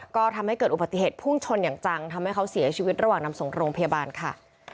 ก็ทำให้เกิดอุบัติเหตุพุ่งชนอย่างจังทำให้เขาเสียชีวิตระหว่างนำส่งโรงพยาบาลค่ะ